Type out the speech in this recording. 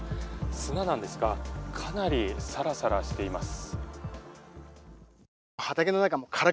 砂なんですが、かなりサラサラしています。